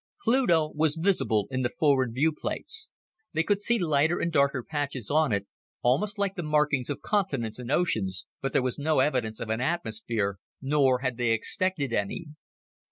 Pluto was visible in the forward viewplates. They could see lighter and darker patches on it, almost like the markings of continents and oceans, but there was no evidence of an atmosphere, nor had they expected any.